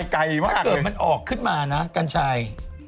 ถ้าเกิดมันออกขึ้นมานะกัญชัย